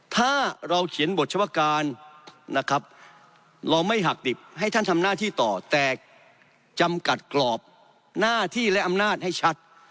ถ้าเราเขียนบทเฉพาะการนะครับเราไม่หักดิบให้ท่านทำหน้าที่ต่อแต่จำกัดกรอบหน้าที่และอำนาจให้ชัด